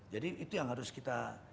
jadi itu yang harus kita